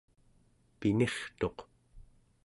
pinirtuq